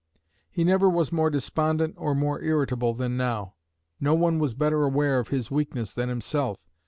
He never was more despondent or more irritable than now. No one was better aware of his weakness than himself.